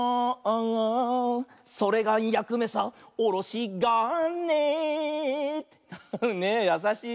「それがやくめさおろしがね」ねえやさしい。